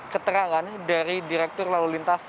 keterangan dari direktur lalu lintas